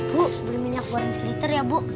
bu beli minyak goreng sliter ya bu